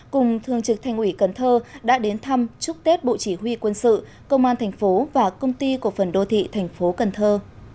cùng thương trực thành ủy cần thơ đã đến thăm chúc tết bộ chỉ huy quân sự công an thành phố và công ty cổ phần đô thị thành phố cần thơ